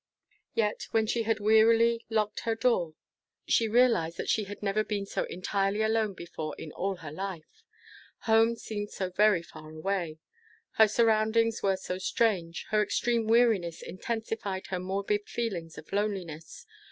Yet, when she had wearily locked her door, she realized that she had never been so entirely alone before in all her life. Home seemed so very far away. Her surroundings were so strange. Her extreme weariness intensified her morbid feeling of loneliness.